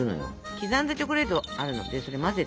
刻んだチョコレートあるのでそれ混ぜてもらって。